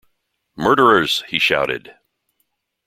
"Murderers," he shouted.